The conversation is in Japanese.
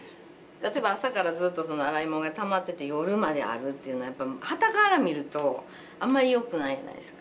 例えば朝からずっと洗い物がたまってて夜まであるっていうのはやっぱはたから見るとあまりよくないじゃないですか。